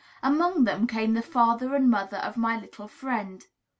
Among them came the father and mother of my little friend.